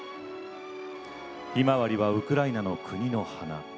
ひまわりはウクライナの国の花。